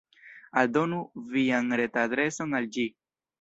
Aldonu vian retadreson al ĝi.